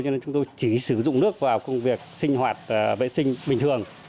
cho nên chúng tôi chỉ sử dụng nước vào công việc sinh hoạt vệ sinh bình thường